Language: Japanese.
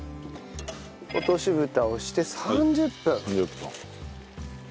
落とし蓋をして３０分。